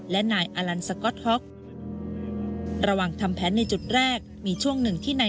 และหนายอลัลซักอทฮ็อกระหว่างทำแพ้ในแรกมีช่วงหนึ่งที่ใน